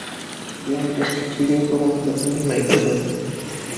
DNA টেস্টে ঠিকই প্রমাণ হবে তুমিই মাইকেল বেন।